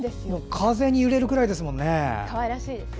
風に揺れるぐらいですもんね。